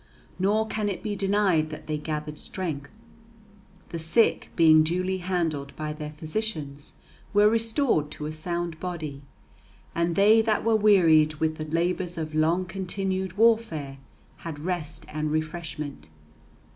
Nor can it be denied that they gathered strength; the sick, being duly handled by their physicians, were restored to a sound body, and they that were wearied with the labours of long continued warfare had rest and refreshment.